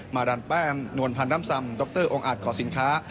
มาดามแป้งนวลพันธ์น้ำซำดรองอาจขอสินค้า